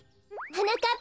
はなかっ